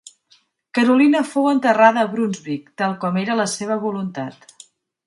Carolina fou enterrada a Brunsvic tal com era la seva voluntat.